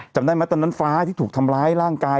จำได้ไหมตอนนั้นฟ้าที่ถูกทำร้ายร่างกาย